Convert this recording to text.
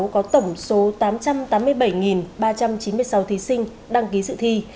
có tổng số tám trăm tám mươi bảy ba trăm chín mươi sáu thí sinh đăng ký dự thi